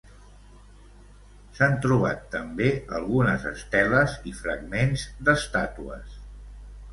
S'han trobat també algunes esteles i fragments d'estàtues.